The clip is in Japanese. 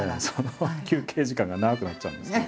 休憩時間が長くなっちゃうんですよ。